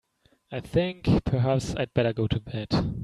I think perhaps I'd better go to bed.